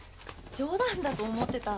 冗談だと思ってた。